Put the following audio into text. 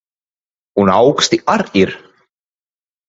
Un auksti ar ir.